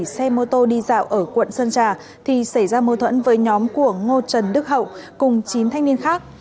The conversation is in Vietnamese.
xe mô tô đi dạo ở quận sơn trà thì xảy ra mâu thuẫn với nhóm của ngô trần đức hậu cùng chín thanh niên khác